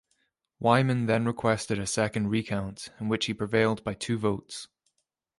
Wyman then requested a second recount, in which he prevailed by two votes.